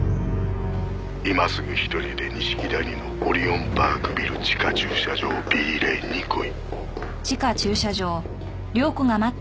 「今すぐ一人で錦谷のオリオンパークビル地下駐車場Ｂレーンに来い」